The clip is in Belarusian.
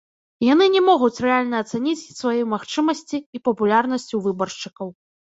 Яны не могуць рэальна ацаніць свае магчымасці і папулярнасць у выбаршчыкаў.